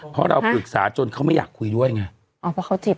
เพราะเราปรึกษาจนเขาไม่อยากคุยด้วยไง